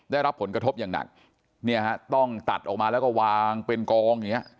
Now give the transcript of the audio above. ได้รับผลกระทบอย่างหนักเนี่ยฮะต้องตัดออกมาแล้วก็วางเป็นกองอย่างเงี้